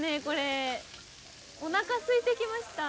おなかすいてきました。